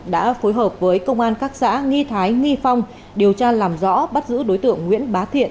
đã phối hợp với công an các xã nghi thái nghi phong điều tra làm rõ bắt giữ đối tượng nguyễn bá thiện